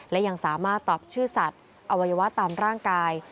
และยังสามารถตอบชื่อสัตว์อวัยวะตามร่างกาย